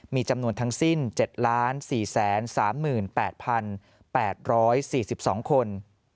มีจำนวนทั้งสิ้น๗๔๓๘๘๔๒คน